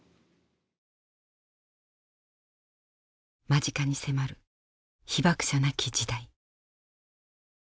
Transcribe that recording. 間近に迫る被爆者なき時代。